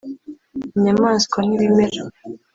inyamaswa n’ibimera